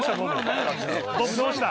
どうした？